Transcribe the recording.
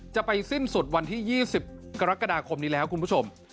จะไปสิ้นสุดวันที่๒๐กรกฎาคมนี้แล้วคุณผู้ชม